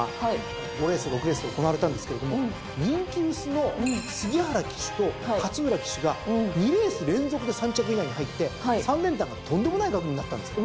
５レース６レースと行われたんですけれども人気薄の杉原騎手と勝浦騎手が２レース連続で３着以内に入って３連単がとんでもない額になったんですよ。